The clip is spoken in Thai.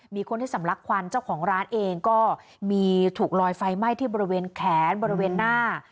มีคนที่สำลักควันเจ้าของร้านเองก็มีถูกลอยไฟไหม้ที่บริเวณแขนบริเวณหน้า